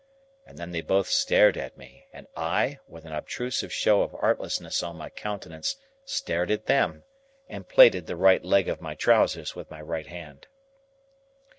And then they both stared at me, and I, with an obtrusive show of artlessness on my countenance, stared at them, and plaited the right leg of my trousers with my right hand.